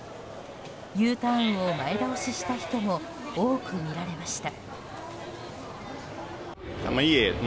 Ｕターンを前倒しした人も多く見られました。